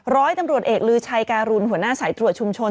ร้อยตำรวจเอกลือชัยการุณหัวหน้าสายตรวจชุมชน